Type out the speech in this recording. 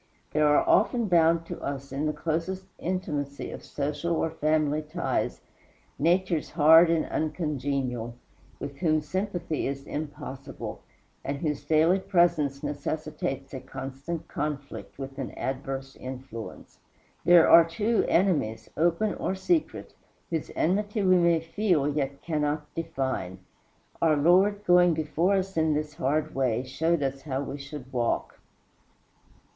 There are often bound to us, in the closest intimacy of social or family ties, natures hard and ungenial, with whom sympathy is impossible, and whose daily presence necessitates a constant conflict with an adverse influence. There are, too, enemies open or secret whose enmity we may feel yet cannot define. Our Lord, going before us in this hard way, showed us how we should walk.